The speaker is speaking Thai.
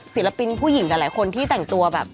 ศิลปินผู้หญิงหลายคนที่แต่งตัวแบบ